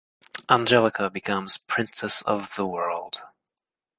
Angelica becomes Princess of the World.